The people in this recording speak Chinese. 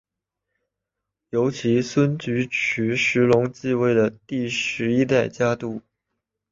由其孙菊池时隆继位为第十一代家督。